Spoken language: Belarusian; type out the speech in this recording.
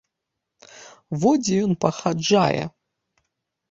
Во дзе ён пахаджае!